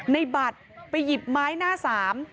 ในบัตรไปหยิบไม้หน้าสาม